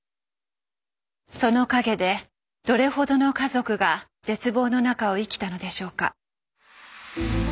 その陰でどれほどの家族が絶望の中を生きたのでしょうか。